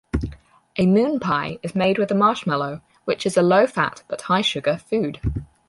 A MoonPie is made with marshmallow, which is a low-fat but high-sugar food.